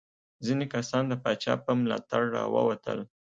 ځینې کسان د پاچا په ملاتړ راووتل.